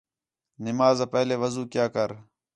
نماز آ پہلے وضو کیا کر